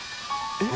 えっ？